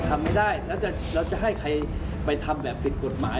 ทำไม่ได้แล้วเราจะให้ใครไปทำแบบผิดกฎหมาย